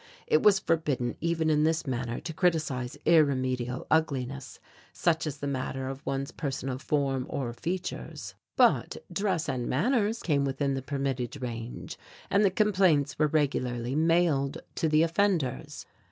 It was forbidden even in this manner to criticize irremedial ugliness such as the matter of one's personal form or features, but dress and manners came within the permitted range and the complaints were regularly mailed to the offenders.